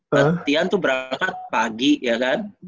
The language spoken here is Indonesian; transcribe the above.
latihan tuh berangkat pagi ya kan